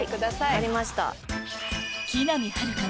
分かりました。